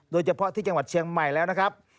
โดยเฉพาะที่จังหวัดเชียงใหม่แล้วนะครับ